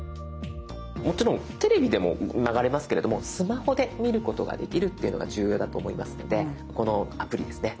もちろんテレビでも流れますけれどもスマホで見ることができるというのが重要だと思いますのでこのアプリですね